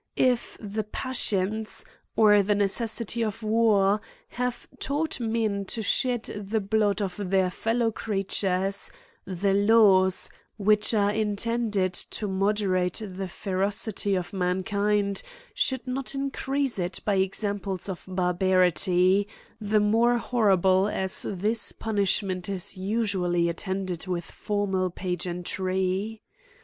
If the passions, or the necessity of war, have taught men to shed the blood of their fellow crea* tures, the laws, which are intended to moderate the ferocity of mankind, should not increase it by examples of barbarity, the more horrible as this punishment is usually attended with formal pa geantry.